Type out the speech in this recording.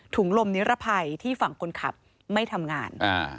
ลมนิรภัยที่ฝั่งคนขับไม่ทำงาน